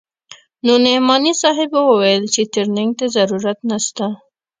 خو نعماني صاحب وويل چې ټرېننگ ته ضرورت نسته.